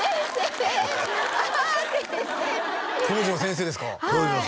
当時の先生ですか？